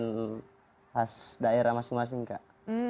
mungkin seperti tarian tarian khas daerah masing masing kak